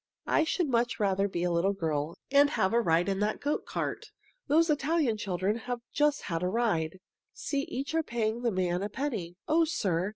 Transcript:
I should much rather be a little girl and have a ride in that goat cart. Those Italian children have just had a ride. See, they are each paying the man a penny. O sir!